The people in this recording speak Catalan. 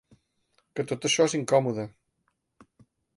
Que tot això és incòmode.